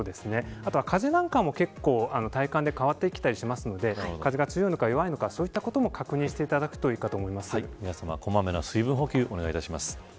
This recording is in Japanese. あとは風なんかも体感で変わってきたりするので風が強いのか弱いのかも確認していただくといいか皆さま、小まめな水分補給をお願いします。